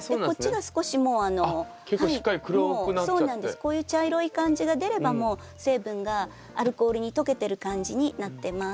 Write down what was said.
こういう茶色い感じが出ればもう成分がアルコールに溶けてる感じになってます。